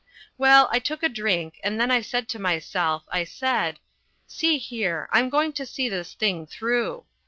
Well, I took a drink and then I said to myself, I said, "See here, I'm going to see this thing through."